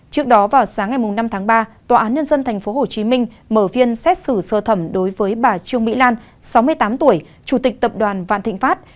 trước đó vào sáng ngày năm tháng ba tòa án nhân dân tp hcm mở phiên xét xử sơ thẩm đối với bà trương mỹ lan sáu mươi tám tuổi chủ tịch tập đoàn vạn thịnh pháp